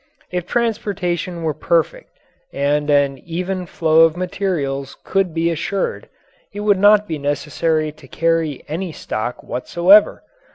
If transportation were perfect and an even flow of materials could be assured, it would not be necessary to carry any stock whatsoever.